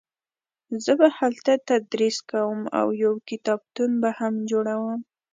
زه به هلته تدریس کوم او یو کتابتون به هم جوړوم